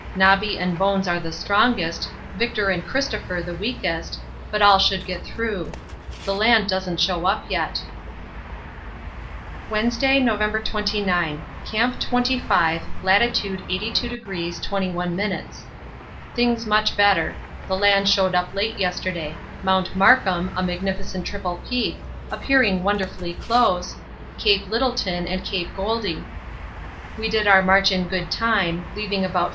Nobby and Bones are the strongest, Victor and Christopher the weakest, but all should get through. The land doesn't show up yet. Wednesday, November 29. Camp 25. Lat. 82° 21'. Things much better. The land showed up late yesterday; Mount Markham, a magnificent triple peak, appearing wonderfully close, Cape Lyttelton and Cape Goldie. We did our march in good time, leaving about 4.